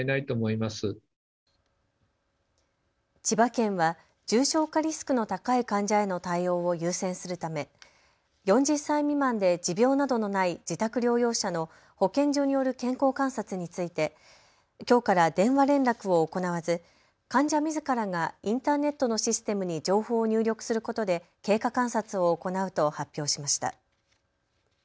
千葉県は重症化リスクの高い患者への対応を優先するため４０歳未満で持病などのない自宅療養者の保健所による健康観察についてきょうから電話連絡を行わず患者みずからがインターネットのシステムに情報を入力することで経過観察を行うと発表しました。